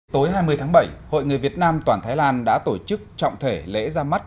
tối hai mươi tháng bảy hội người việt nam toàn thái lan đã tổ chức trọng thể lễ ra mắt